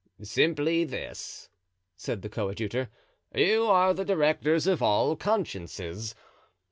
"Simply this," said the coadjutor. "You are the directors of all consciences.